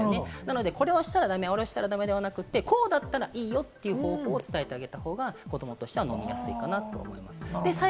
これをしたら駄目、あれをしたら駄目ではなくて、こうしたらいいよということを伝えた方が、子どもとしては飲み込みやすいかなと思います。